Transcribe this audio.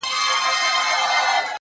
هره ورځ یو نوی درس لري!